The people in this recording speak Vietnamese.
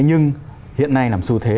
nhưng hiện nay làm sự thế